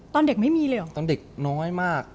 ตอนเด็กไม่มีเลยเหรอตอนเด็กน้อยมาก